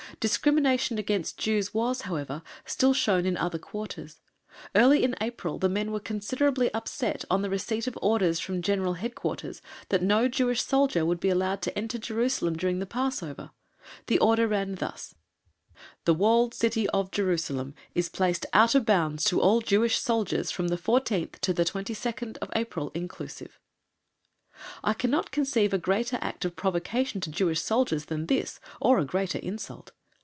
Discrimination against Jews was, however, still shown in other quarters. Early in April the men were considerably upset on the receipt of orders from G.H.Q. that no Jewish soldier would be allowed to enter Jerusalem during the Passover; the order ran thus: "The walled city (of Jerusalem) is placed out of bounds to all Jewish soldiers from the 14th to the 22nd April, inclusive." I cannot conceive a greater act of provocation to Jewish soldiers than this, or a greater insult.